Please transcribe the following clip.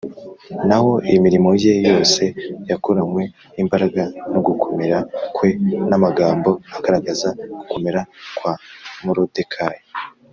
Naho imirimo ye yose yakoranywe imbaraga no gukomera kwe n amagambo agaragaza gukomera kwa Moridekayi